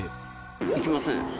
行きません。